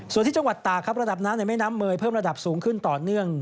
ส่วนที่จังหวัดตากครับระดับน้ำในแม่น้ำเมย์เพิ่มระดับสูงขึ้นต่อเนื่อง